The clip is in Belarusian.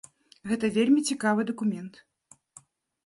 Гэта вельмі цікавы дакумент.